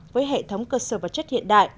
với hệ thống cơ sở và chất hiện đại